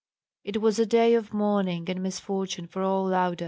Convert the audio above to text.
It was a day of mourning and misfortune for all Lauda.